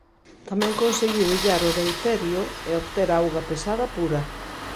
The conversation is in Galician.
Tamén conseguiu illar o deuterio e obter auga pesada pura.